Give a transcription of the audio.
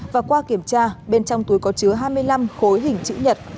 và qua kiểm tra bên trong túi có chứa hai mươi năm khối hình chữ nhật